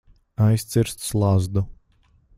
Aizcirst slazdu.